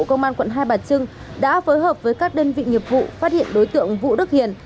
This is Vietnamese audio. công an quận hai bà trưng đã phối hợp với các đơn vị nghiệp vụ phát hiện đối tượng vũ đức hiền